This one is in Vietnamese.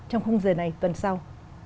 trong khung giờ này tuần sau